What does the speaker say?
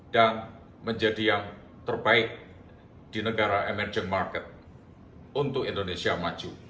dan menjadi yang terbaik di negara emerging market untuk indonesia maju